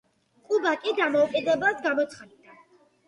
კუბა კი დამოუკიდებლად გამოცხადდა.